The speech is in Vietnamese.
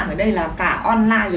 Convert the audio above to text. nhưng mà đây là cô nhập ở bên đấy chứ